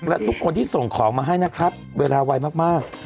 และทุกคนที่ส่งของมาให้นะครับเวลาไวมาก